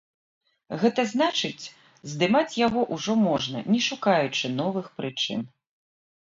Гэта значыць, здымаць яго ўжо можна, не шукаючы новых прычын.